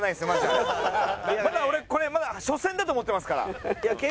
俺これまだ初戦だと思ってますから。